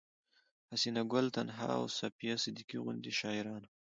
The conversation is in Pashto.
حسينه ګل تنها او صفيه صديقي غوندې شاعرانو